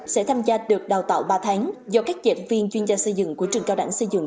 sẽ tham gia được đào tạo ba tháng do các giảng viên chuyên gia xây dựng của trường cao đẳng xây dựng